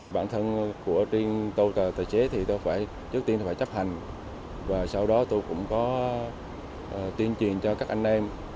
bản thân của riêng tôi là tài xế thì tôi trước tiên phải chấp hành và sau đó tôi cũng có tuyên truyền cho các anh em